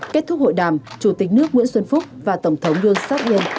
kết thúc hội đàm chủ tịch nước nguyễn xuân phúc và tổng thống yêu sát yên